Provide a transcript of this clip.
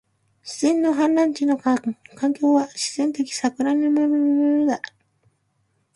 自然の氾濫地の環境は、自然的撹乱によるものだ